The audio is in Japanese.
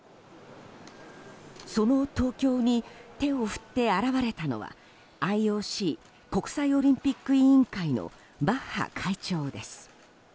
その東京に手を振って現れたのはＩＯＣ・国際オリンピック委員会のバッハ会長です。